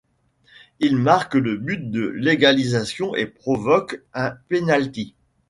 Il marque le but de l'égalisation et provoque un pénalty.